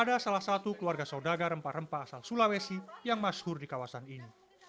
ada salah satu keluarga saudaga rempah rempah asal sulawesi yang masyur di kawasan ini